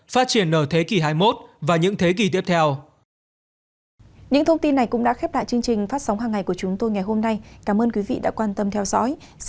phát triển ở thế kỷ hai mươi một và những thế kỷ tiếp theo